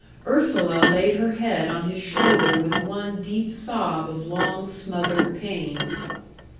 Ursula laid her head on his shoulder with one deep sob of long smothered pain.